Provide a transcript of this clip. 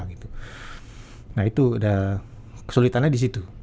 nah itu sudah kesulitannya di situ